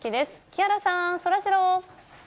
木原さん、そらジロー。